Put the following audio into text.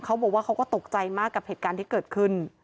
เขาบอกว่าเขาก็ตกใจมากกับเหตุการณ์ที่เกิดขึ้น